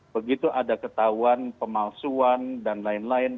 begitu ada ketahuan pemalsuan dan lain lain